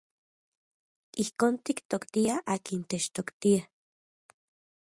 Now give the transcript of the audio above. Ijkon tiktoktiaj akin techtoktia.